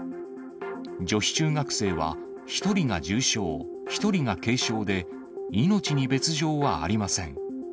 女子中学生は１人が重傷、１人が軽傷で、命に別状はありません。